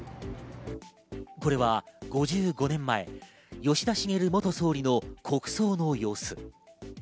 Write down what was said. これは５５年前、吉田茂元総理の国葬の様子。